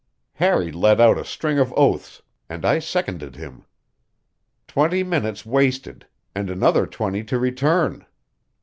Harry let out a string of oaths, and I seconded him. Twenty minutes wasted, and another twenty to return!